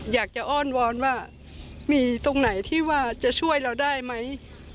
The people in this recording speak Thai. อ้อนวอนว่ามีตรงไหนที่ว่าจะช่วยเราได้ไหม